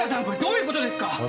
これどういうことですか？